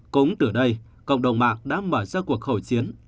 cũng từ đây cộng đồng mạng đã mở ra cuộc hội chiến